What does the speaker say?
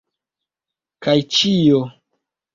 Kaj ĉio.